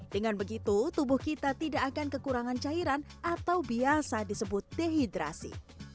dengan begitu tubuh kita tidak akan kekurangan cairan atau biasa disebut dehidrasi